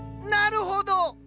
なるほど！